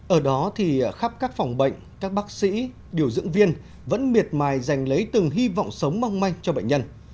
ở đó thì khắp các phòng bệnh các bác sĩ điều dưỡng viên vẫn miệt mài dành lấy từng hy vọng sống mong manh cho bệnh nhân